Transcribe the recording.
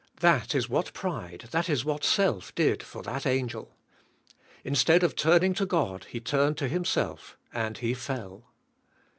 That is what pride, that is what self did for that angel. Instead of turning to God he turned to himself and he fell.